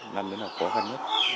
năm đấy là khó khăn nhất